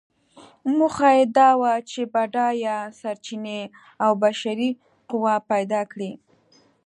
موخه یې دا وه چې بډایه سرچینې او بشري قوه پیدا کړي.